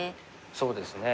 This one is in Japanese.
そうですね。